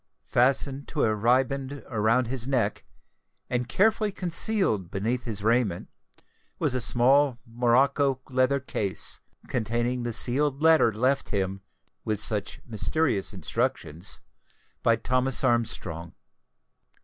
Fastened to a riband round his neck, and carefully concealed beneath his raiment, was a small morocco leather case, containing the sealed letter left him, with such mysterious instructions, by Thomas Armstrong.